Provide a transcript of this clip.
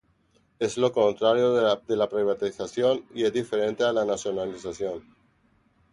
Es lo contrario de la privatización y es diferente de la nacionalización.